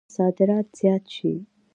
صادرات زیات شي.